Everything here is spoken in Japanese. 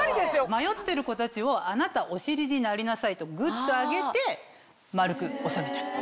迷ってるコたちを「あなたお尻になりなさい」とグッと上げて丸く収めた。